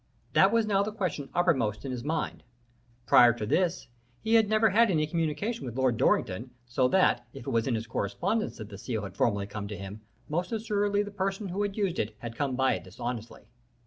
That was now the question upper most in his mind. Prior to this, he had never had any communication with Lord Dorrington, so that, if it was in his correspondence that the seal had formerly come to him, most assuredly the person who had used it had come by it dishonestly.